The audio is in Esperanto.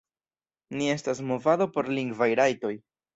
Ni estas movado por lingvaj rajtoj.